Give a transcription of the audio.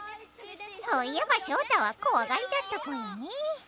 そういえばショウタはこわがりだったぽよね。